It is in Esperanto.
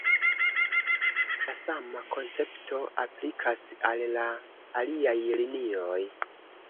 La sama koncepto aplikas al la aliaj linioj.